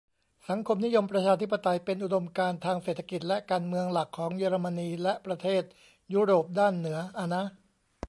สังคมนิยมประชาธิปไตย เป็นอุดมการณ์ทางเศรษฐกิจและการเมืองหลักของเยอรมนี และประเทศยุโรปด้านเหนือ อะนะ